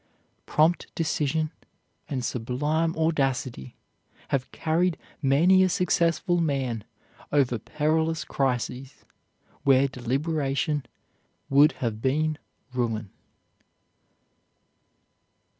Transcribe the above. Prompt decision and sublime audacity have carried many a successful man over perilous crises where deliberation would have been ruin.